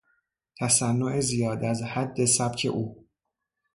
تصنع زیاد از حد سبک او